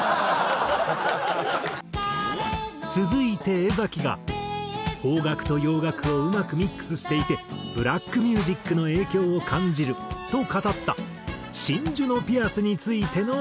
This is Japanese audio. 続いて江が邦楽と洋楽をうまくミックスしていてブラックミュージックの影響を感じると語った『真珠のピアス』についての質問。